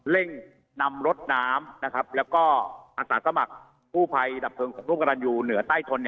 เร่งนำรถน้ำและอันสารสมัครผู้ไพรดับเพลิงอยู่เหนือใต้ธน